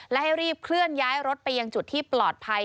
และให้รีบเคลื่อนย้ายรถไปยังจุดที่ปลอดภัย